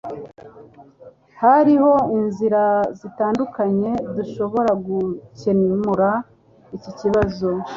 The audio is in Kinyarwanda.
Hariho inzira zitandukanye dushobora gukemura iki kibazo